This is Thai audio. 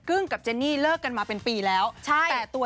กึ้งกับเจนนี่เลิกกันมาเป็นปีแล้ว